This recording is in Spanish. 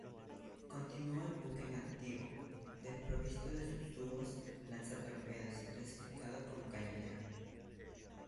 Continuó el buque en activo, desprovisto de sus tubos lanzatorpedos y clasificado como cañonero.